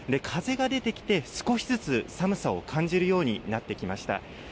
風が出てきて、少しずつ寒さを感じるようになってきました。